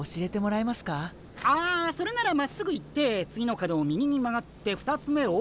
ああそれならまっすぐ行って次の角を右に曲がって２つ目を。